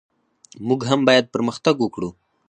موږ هم باید پرمختګ وکړو.